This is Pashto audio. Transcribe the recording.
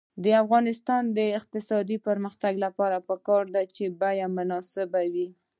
د افغانستان د اقتصادي پرمختګ لپاره پکار ده چې بیې مناسبې وي.